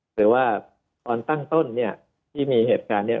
หรือว่าตอนตั้งต้นที่มีเหตุการณ์